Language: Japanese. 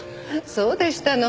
そうでしたの。